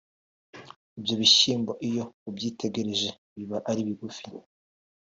Ibyo bishyimbo iyo ubyitegereje biba ari bigufi